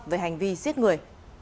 về hành vi giết người